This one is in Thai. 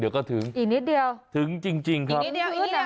อีกนิดเดียวถึงจริงครับพื้นหน่อย